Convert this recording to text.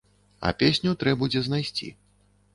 А песню трэ будзе знайсці.